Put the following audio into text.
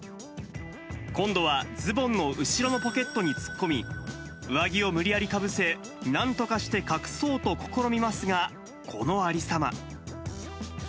今度はズボンの後ろのポケットに突っ込み、上着を無理やりかぶせ、なんとかして隠そうと試みますが、このありさま。